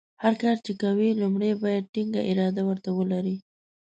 هر کار چې کوې لومړۍ باید ټینګه اراده ورته ولرې.